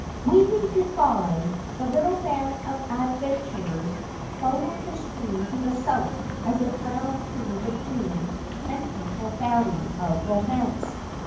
Waving goodbye, the little band of adventurers followed the stream to the south as it wound through the green and peaceful Valley of Romance.